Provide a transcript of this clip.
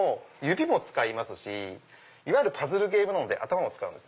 指も使いますしいわゆるパズルゲームなので頭も使う。